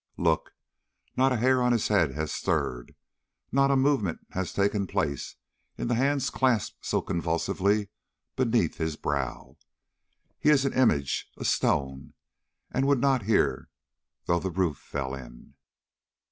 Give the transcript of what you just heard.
Look! not a hair of his head has stirred, not a movement has taken place in the hands clasped so convulsively beneath his brow. He is an image, a stone, and would not hear though the roof fell in.